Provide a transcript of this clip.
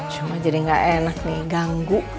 cuma jadi gak enak nih ganggu